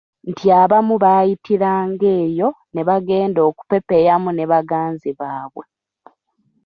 Nti abamu baayitiranga eyo ne bagenda okupepeyaamu ne baganzi baabwe.